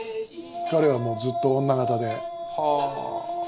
彼はもうずっと女形で。